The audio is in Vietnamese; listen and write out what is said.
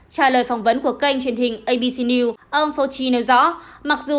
trả lời phỏng vấn của kênh truyền hình abc news ông fauci nói rõ